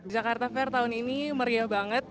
jakarta fair tahun ini meriah banget